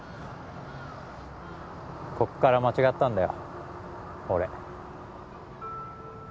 こっから間違ったんだよ